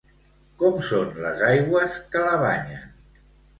Com són les aigües que la banyen?